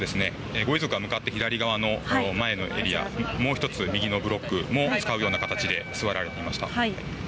ご遺族は向かって左側の前のエリア、もう１つのブロックも使うような形で座られていました。